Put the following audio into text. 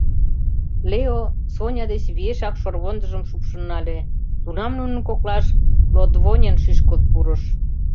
Лео Соня деч виешак шорвондыжым шупшын нале, тунам нунын коклаш Лотвонен шӱшкылт пурыш.